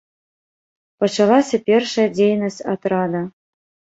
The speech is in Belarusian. Пачалася першая дзейнасць атрада.